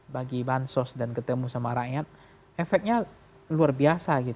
bagi bansos dan ketemu sama rakyat efeknya luar biasa